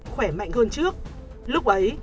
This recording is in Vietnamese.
khỏe mạnh hơn trước lúc ấy